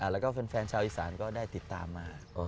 แล้วก็แฟนชาวอีสานก็ได้ติดตามมา